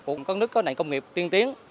của những nước công nghiệp tiên tiến